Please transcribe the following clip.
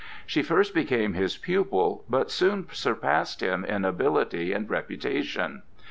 She first became his pupil, but soon surpassed him in ability and reputation.